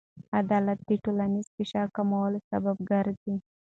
عدالت د ټولنیز فشار کمولو سبب ګرځي.